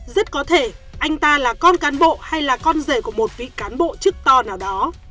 rất có thể anh ta là con cán bộ hay là con rể của một vị cán bộ chức to nào đó